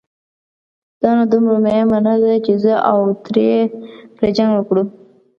دا نو دومره مهمه نه ده، چې زه او ترې پرې جنګ وکړو.